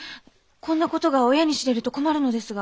こんな事が親に知れると困るのですが。